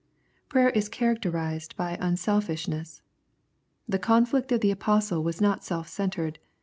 Prayer is characterised by unselfishness. The conflict of the Apostle was not self centred.